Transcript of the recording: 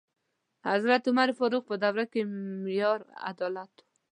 د حضرت عمر فاروق په دوره کې معیار عدالت و.